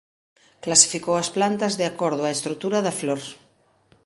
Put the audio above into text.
Clasificou as plantas de acordo á estrutura da flor.